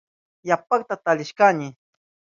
Yapata talishkani.